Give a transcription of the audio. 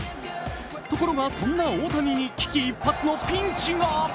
ところがそんな大谷に危機一髪のピンチが。